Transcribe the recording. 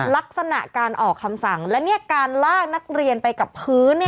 ลักษณะการออกคำสั่งแล้วเนี่ยการลากนักเรียนไปกับพื้นเนี่ย